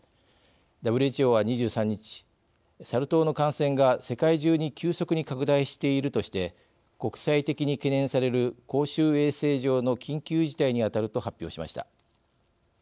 ＷＨＯは、２３日サル痘の感染が世界中に急速に拡大しているとして国際的に懸念される公衆衛生上の緊急事態に当たると発表しました。